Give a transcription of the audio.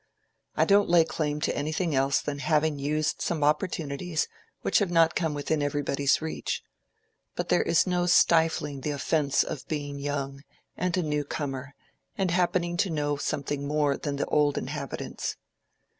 I don't lay claim to anything else than having used some opportunities which have not come within everybody's reach; but there is no stifling the offence of being young, and a new comer, and happening to know something more than the old inhabitants.